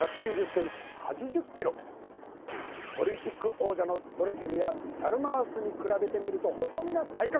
オリンピック王者のドレセルやチャルマースに比べてみると細身な体格